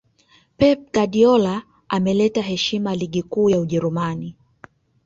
pep guardiola ameleta heshima ligi kuu ya ujerumani